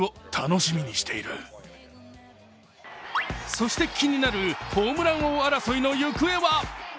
そして、気になるホームラン王争いの行方は？